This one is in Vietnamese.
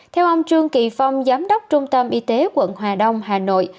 theo ông trương kỳ phong giám đốc trung tâm y tế quận hà đông hà nội